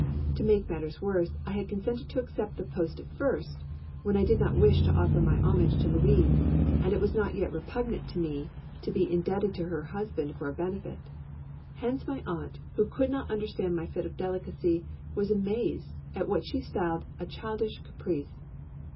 To make matters worse, I had consented to accept the post at first, when I did not wish to offer my homage to Louise and it was not yet repugnant to me to be indebted to her husband for a benefit. Hence my aunt, who could not understand my fit of delicacy, was amazed at what she styled a childish caprice.